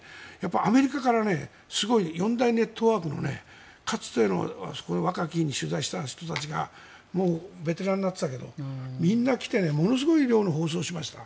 アメリカからすごい４大ネットワークのかつての若き日に取材した人たちがベテランになってたけどみんな来てものすごい量の放送をしました。